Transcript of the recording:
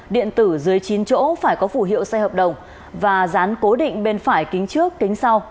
điện tử dưới chín chỗ phải có phủ hiệu xe hợp đồng và dán cố định bên phải kính trước kính sau